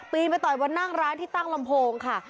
ไปต่อยบนนั่งร้านที่ตั้งลำโพงค่ะ